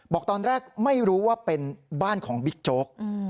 บอกตอนแรกไม่รู้ว่าเป็นบ้านของบิ๊กโจ๊ก